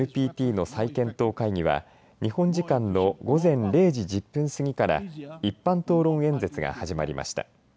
ＮＰＴの再検討会議は日本時間の午前０時１０分過ぎから一般討論演説が始まりました。